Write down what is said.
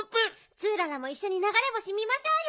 ツーララもいっしょにながれ星見ましょうよ！